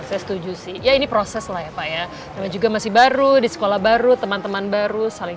setuju sih ya ini proses layak saya juga masih baru di sekolah baru teman teman baru saling